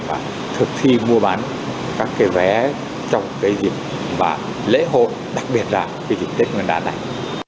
và thực thi mua bán các cái vé trong cái dịp và lễ hội đặc biệt là cái dịch tích nguyên đảm này